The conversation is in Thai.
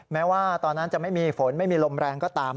แม้ว่าตอนนั้นจะไม่มีฝนไม่มีลมแรงก็ตาม